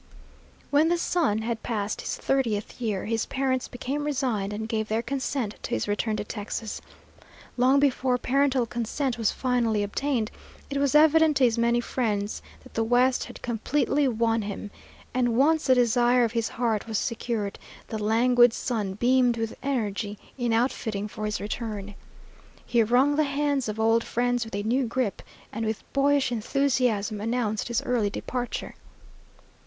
When the son had passed his thirtieth year, his parents became resigned and gave their consent to his return to Texas. Long before parental consent was finally obtained, it was evident to his many friends that the West had completely won him; and once the desire of his heart was secured, the languid son beamed with energy in outfitting for his return. He wrung the hands of old friends with a new grip, and with boyish enthusiasm announced his early departure.